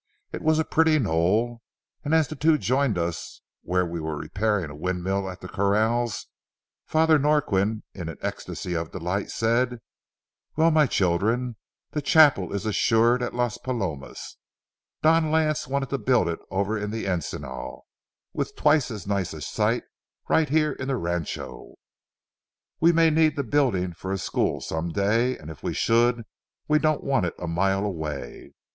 It was a pretty knoll, and as the two joined us where we were repairing a windmill at the corrals, Father Norquin, in an ecstasy of delight, said: "Well, my children, the chapel is assured at Las Palomas. Don Lance wanted to build it over in the encinal, with twice as nice a site right here in the rancho. We may need the building for a school some day, and if we should, we don't want it a mile away.